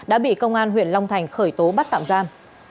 an huyện long thành khởi tố bắt tạm giam